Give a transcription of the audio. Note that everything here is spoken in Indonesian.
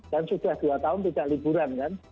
dan sudah dua tahun tidak liburan kan